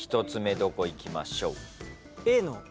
１つ目どこいきましょう？